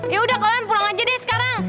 yaudah kalian pulang aja deh sekarang